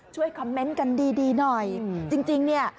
ช่วยคอมเมนต์กันดีดีหน่อยจริงเนี่ย